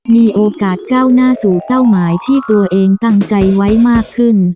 มีโอกาสก้าวหน้าสู่เป้าหมายที่ตัวเองตั้งใจไว้มากขึ้น